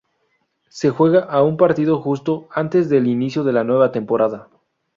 Se juega a un partido justo antes del inicio de la nueva temporada.